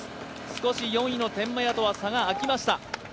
少し４位の天満屋とは差が開きました。